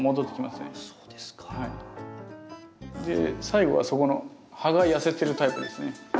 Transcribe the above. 最後はそこの葉が痩せてるタイプですね。